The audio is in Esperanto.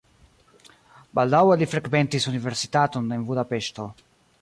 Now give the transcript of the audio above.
Baldaŭe li frekventis universitaton en Budapeŝto.